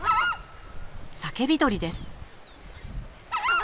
サケビドリです。